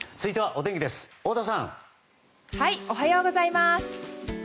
おはようございます。